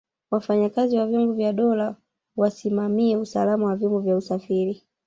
wafanyakazi wa vyombo vya dola wasimamie usalama wa vyombo vya usafiri